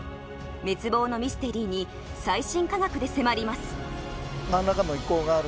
滅亡のミステリーに最新科学で迫ります。